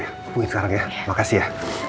ibu sekarang ya makasih ya